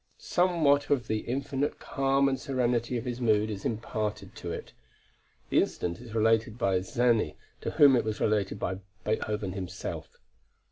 Somewhat of the infinite calm and serenity of his mood is imparted to it. The incident is related by Czerny to whom it was related by Beethoven himself.